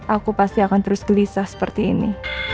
aku pasti akan terus gelisah seperti ini